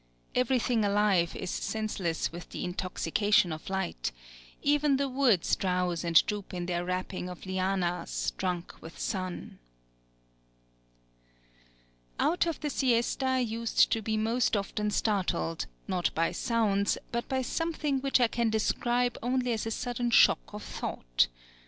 Everything alive is senseless with the intoxication of light; even the woods drowse and droop in their wrapping of lianas, drunk with sun.... Out of the siesta I used to be most often startled, not by sounds, but by something which I can describe only as a sudden shock of thought.